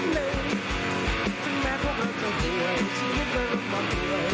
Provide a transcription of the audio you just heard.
ถึงแม้พวกเราเกินเกลือชีวิตเราก็ต่อเกลือ